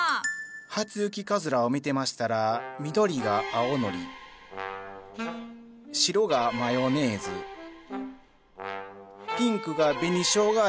初雪かずらを見てましたら緑が青のり白がマヨネーズピンクが紅しょうが味